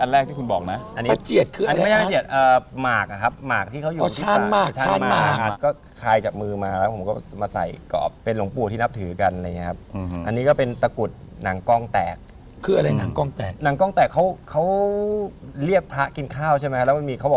เริ่มเขาเหมือนเขาตีกลับแล้วครับ๓